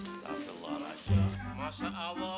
semakin lama kelakuannya seperti haji memuna aja